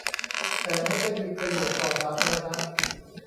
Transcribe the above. แต่ไม่ได้มีประโยชน์ต่อสาธารณะ